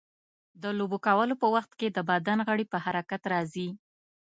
د لوبو کولو په وخت د بدن غړي په حرکت راځي.